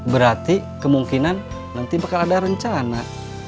berarti kemungkinan nanti bakal ada rencana